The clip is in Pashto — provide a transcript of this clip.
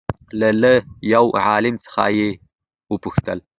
له له يوه عالم څخه يې وپوښتل